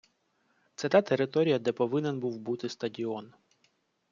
Це та територія, де повинен був бути стадіон.